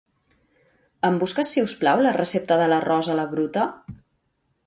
Em busques si us plau la recepta de l'arròs a la bruta?